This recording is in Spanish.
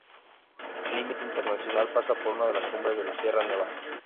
El límite internacional pasa por una de las cumbres de la Sierra Nevada.